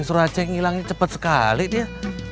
suruh aceh ngilangnya cepet sekali dia